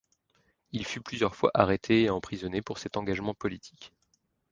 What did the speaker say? Il fut plusieurs fois arrêté et emprisonné pour cet engagement politique.